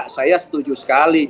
saya setuju sekali